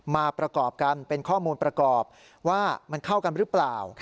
มาประกอบกันเป็นข้อมูลประกอบว่ามันเข้ากันหรือเปล่า